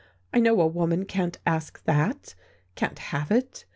I know a woman can't ask that, can't have it.